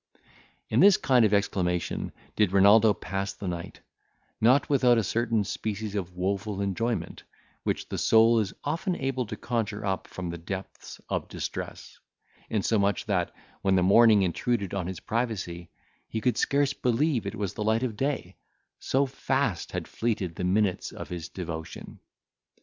In this kind of exclamation did Renaldo pass the night, not without a certain species of woful enjoyment, which the soul is often able to conjure up from the depths of distress; insomuch that, when the morning intruded on his privacy, he could scarce believe it was the light of day, so fast had fleeted the minutes of his devotion.